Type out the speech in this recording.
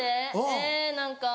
え何か。